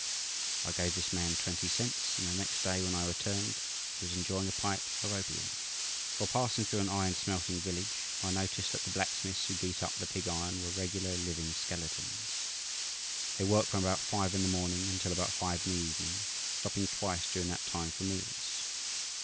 I gave this man twenty cents, and the next day when I returned he was enjoying a pipe of opium. "While passing through an iron smelting village I noticed that the blacksmiths who beat up the pig iron were regular living skeletons. They work from about five in the morning until about five in the evening, stopping twice during that time for meals.